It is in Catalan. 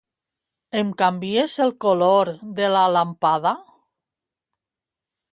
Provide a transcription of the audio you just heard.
Em canvies el color de la làmpada?